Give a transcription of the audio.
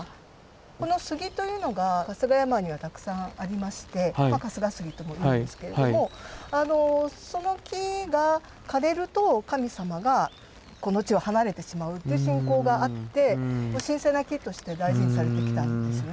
この杉というのが春日山にはたくさんありまして春日杉とも言われますけれどもその木が枯れると神様がこの地を離れてしまうっていう信仰があって神聖な木として大事にされてきたんですよね。